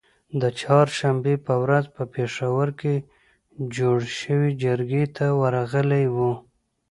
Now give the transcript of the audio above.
د چهارشنبې په ورځ په پیښور کې جوړی شوې جرګې ته ورغلي وو